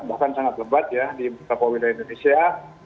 bahkan sangat lebat ya di beberapa wilayah indonesia